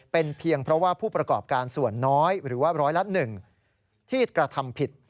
เป็นเพียงเพราะว่าผู้ประกอบการส่วนน้อยหรือว่าร้อยละ๑ที่กระทำผิด